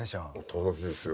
楽しいですよ。